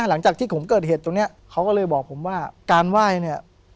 หลังจากที่ผมเกิดเหตุตรงนี้เขาก็เลยบอกผมว่าการไหว้เนี่ย